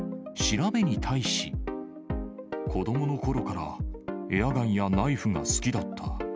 子どものころから、エアガンやナイフが好きだった。